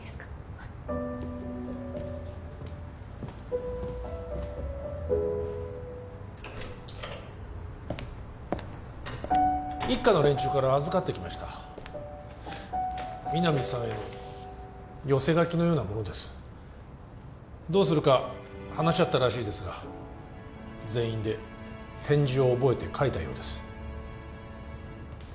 はい一課の連中から預かってきました皆実さんへの寄せ書きのようなものですどうするか話し合ったらしいですが全員で点字を覚えて書いたようです